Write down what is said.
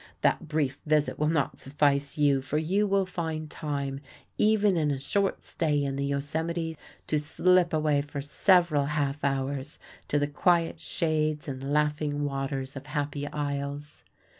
That brief visit will not suffice you, for you will find time, even in a short stay in the Yosemite, to slip away for several half hours to the quiet shades and laughing waters of Happy Isles.